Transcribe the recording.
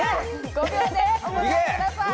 ５秒でお答えください。